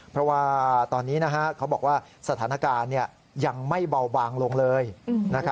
เพราะว่าตอนนี้เขาบอกว่าสถานการณ์ยังไม่เบาบางลงเลย